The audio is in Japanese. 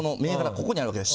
ここにあるわけです。